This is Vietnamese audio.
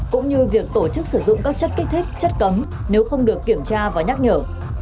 cũng như việc tổ chức sử dụng các chất kích thích chất cấm nếu không được kiểm tra và nhắc nhở